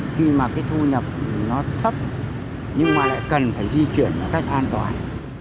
khi mà cái thu nhập nó thấp nhưng mà lại cần phải di chuyển một cách an toàn